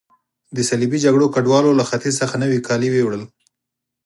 د صلیبي جګړو ګډوالو له ختیځ څخه نوي کالي یوړل.